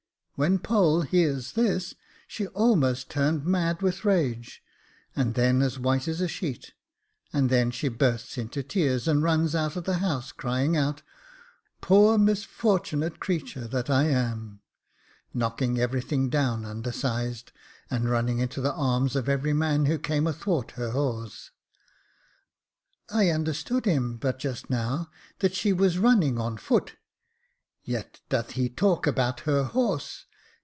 When Poll hears this, she almost turned mad with rage, and then as white as a sheet, and then she burst into tears, and runs out of the house, crying out, * Poor misfortunate creature that I am !' knocking everything down undersized, and running into the arms of every man who came athwart her hawse." I understood him, but just now, that she was running on foot; yet doth he talk about her horse.